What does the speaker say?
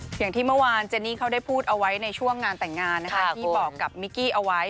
อย่างที่เมื่อวานเจนี่เขาได้พูดเอาไว้ในช่วงงานแต่งงานนะคะที่บอกกับมิกกี้เอาไว้